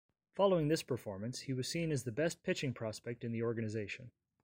Following this performance, he was seen as the best pitching prospect in the organization.